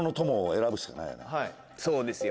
そうですよ。